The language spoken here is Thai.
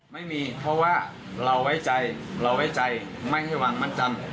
ไม่มีเพราะว่าเราไว้ใจไม่ให้วางมัดจำ